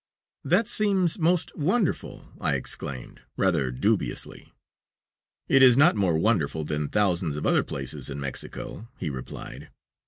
"That seems most wonderful!" I exclaimed, rather dubiously. "It is not more wonderful than thousands of other places in Mexico," he replied.